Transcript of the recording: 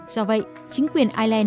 do vậy chính quyền ireland